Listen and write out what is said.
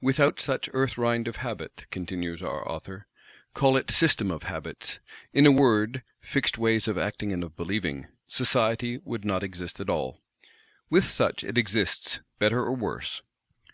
"Without such Earth rind of Habit," continues our author, "call it System of Habits, in a word, fixed ways of acting and of believing,—Society would not exist at all. With such it exists, better or worse.